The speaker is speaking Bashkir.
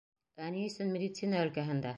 Ә ни өсөн медицина өлкәһендә?